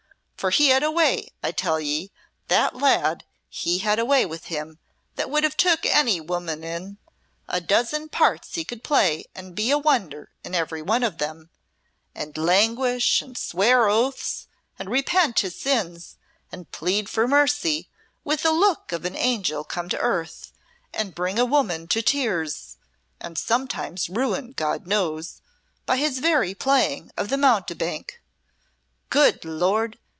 For he had a way, I tell ye, that lad, he had a way with him that would have took any woman in. A dozen parts he could play and be a wonder in every one of them and languish, and swear oaths, and repent his sins, and plead for mercy, with the look of an angel come to earth, and bring a woman to tears and sometimes ruin, God knows! by his very playing of the mountebank. Good Lord!